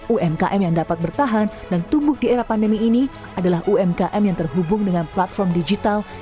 umkm yang dapat bertahan dan tumbuh di era pandemi ini adalah umkm yang terhubung dengan platform digital